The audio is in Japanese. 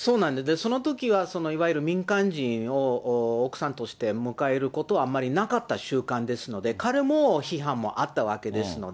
そのときは、いわゆる民間人を奥さんとして迎えることはあんまりなかった習慣ですので、彼も批判もあったわけですので。